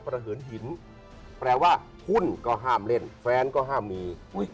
ความรู้สึกที่คุณเห็นครั้งแรกเป็นอย่างไร